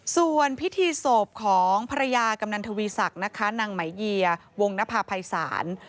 ส่วนพิธีศพของภรรยากำนันทวีศักดิ์นะคะนางไหมเยียวงนภาพภัยศาล